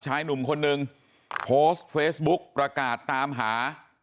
ชายหนุ่มคนนึงโพสต์เฟซบุ๊กประกาศตามหา